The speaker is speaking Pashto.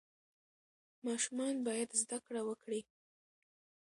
ماشومان باید زده کړه وکړي.